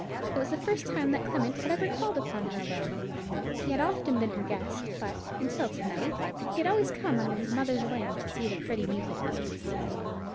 It was the first time that Clement had ever called upon her alone. He had often been her guest; but, until to night, he had always come under his mother's wing to see the pretty music mistress.